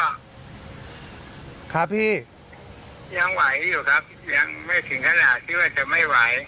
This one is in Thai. ครับครับพี่ยังไหวอยู่ครับยังไม่ถึงขนาดที่ว่าจะไม่ไหว